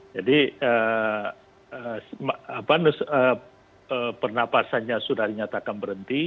jadi pernafasannya sudah dinyatakan berhenti